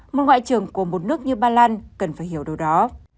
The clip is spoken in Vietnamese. một ngoại trưởng của một nước như ba lan cần phải hiểu điều đó